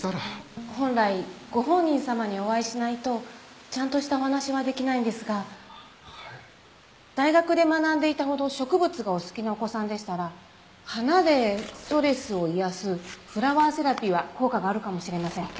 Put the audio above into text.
本来ご本人様にお会いしないとちゃんとしたお話はできないんですが大学で学んでいたほど植物がお好きなお子さんでしたら花でストレスを癒やすフラワーセラピーは効果があるかもしれません。